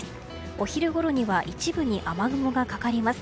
お昼ごろには一部に雨雲がかかります。